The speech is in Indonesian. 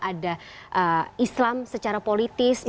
ada islam secara politis